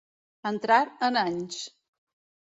Entrar en anys.